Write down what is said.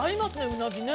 うなぎね。